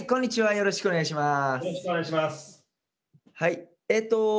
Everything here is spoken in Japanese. よろしくお願いします。